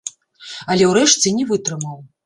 Але ўрэшце не вытрымаў.